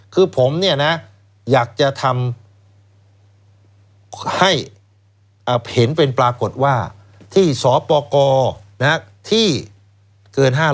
คือผมเนี่ยนะอยากจะทำให้เห็นเป็นปรากฏว่าที่สปกรที่เกิน๕๐๐